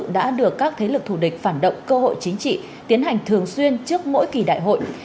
đã được các thế lực thù địch phản động cơ hội chính trị tiến hành thường xuyên trước mỗi kỳ đại hội